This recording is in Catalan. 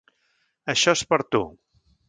Això és per a tu.